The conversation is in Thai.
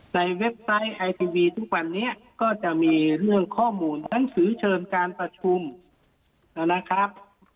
เว็บไซต์ไอทีวีทุกวันนี้ก็จะมีเรื่องข้อมูลหนังสือเชิญการประชุมนะครับ